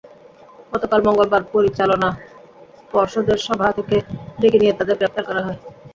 গতকাল মঙ্গলবার পরিচালনা পর্ষদের সভা থেকে ডেকে নিয়ে তাঁদের গ্রেপ্তার করা হয়।